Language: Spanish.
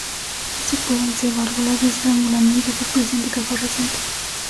Estos pueden ser válvulas de estrangulamiento o por presión de caja o recinto.